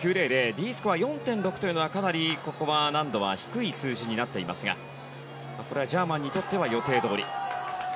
Ｄスコアは４．６というのは難度は低い数字になっていますがこれはジャーマンにとっては予定どおり。